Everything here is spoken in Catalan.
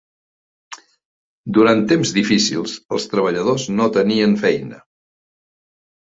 Durant temps difícils, els treballadors no tenien feina.